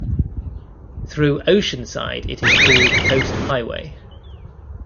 Through Oceanside it is called Coast Highway.